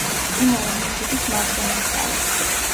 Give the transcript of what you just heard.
მდინარე მეჯუდის მარჯვენა მხარეს.